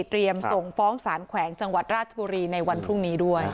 ส่งฟ้องสารแขวงจังหวัดราชบุรีในวันพรุ่งนี้ด้วย